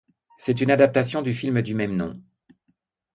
C'est une adaptation du film du même nom.